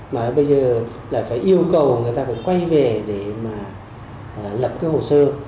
mà bây giờ lại phải yêu cầu người ta phải quay về để mà lập cái hồ sơ